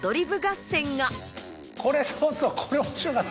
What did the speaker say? これそうそう。